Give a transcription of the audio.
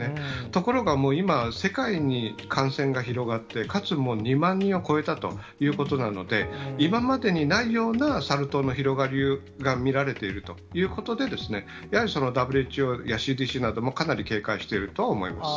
ところが今、世界に感染が広がって、かつ、もう２万人を超えたということなので、今までにないようなサル痘の広がりが見られているということで、やはりＷＨＯやＣＤＣなどもかなり警戒しているとは思います。